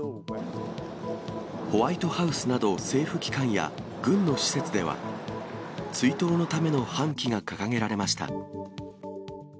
ホワイトハウスなど政府機関や、軍の施設では、追悼のための半旗が掲げられました。